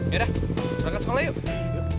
yaudah rekat sekolah yuk